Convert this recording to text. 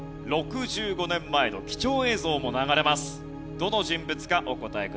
どの人物かお答えください。